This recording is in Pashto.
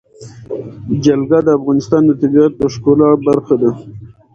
جلګه د افغانستان د طبیعت د ښکلا برخه ده.